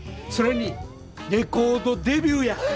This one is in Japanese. それにレコードデビューや。